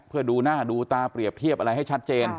เพื่อดูหน้าดูตาเปรียบเทียบอะไรให้ชัดเจน